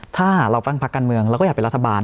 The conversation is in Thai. ถ้าเราตั้งพักการเมืองเราก็อยากเป็นรัฐบาล